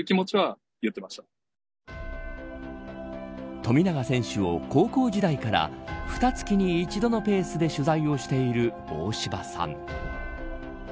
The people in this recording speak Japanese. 富永選手を高校時代からふた月に一度のペースで取材をしている大柴さん。